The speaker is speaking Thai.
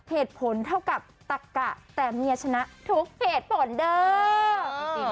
เหตุผลเท่ากับตักกะแต่เมียชนะทุกเหตุผลเด้อ